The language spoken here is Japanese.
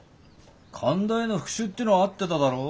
神田への復讐ってのは合ってただろう？